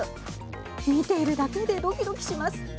見ているだけでドキドキします。